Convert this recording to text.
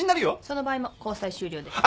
その場合も交際終了です。